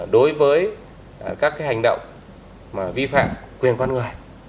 đối với các hành động vi phạm quyền con người